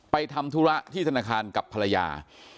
ทำธุระที่ธนาคารกับภรรยา